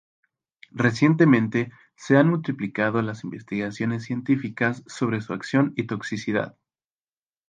Recientemente se han multiplicado las investigaciones científicas sobre su acción y toxicidad.